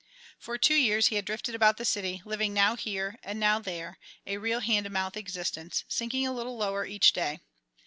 For two years he had drifted about the city, living now here and now there, a real hand to mouth existence, sinking a little lower each day.